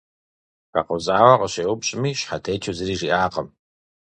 Хэкъузауэ къыщеупщӏми, щхьэтечу зыри жиӏакъым.